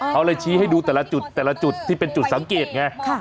เขาเลยชี้ให้ดูแต่ละจุดแต่ละจุดที่เป็นจุดสังเกตไง